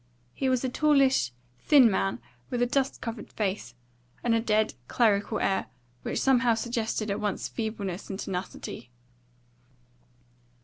He was a tallish, thin man, with a dust coloured face, and a dead, clerical air, which somehow suggested at once feebleness and tenacity.